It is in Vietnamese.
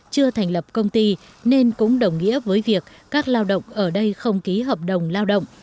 chưa thành lập công ty nên cũng đồng nghĩa với việc các lao động ở đây không ký hợp đồng lao động